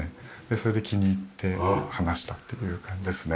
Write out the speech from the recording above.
それで気に入って話したっていう感じですね。